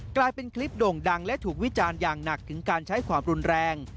กลายเป็นคลิปโด่งดังและถูกวิจารณ์อย่างหนักถึงการใช้ความรุนแรง